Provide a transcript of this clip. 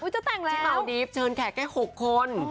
จะแต่งแล้วน่ะเชิงแขกแค่๖คน